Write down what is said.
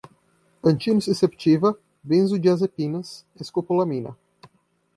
antinociceptiva, benzodiazepinas, escopolamina